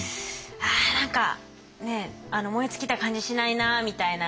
何か燃え尽きた感じしないなみたいな。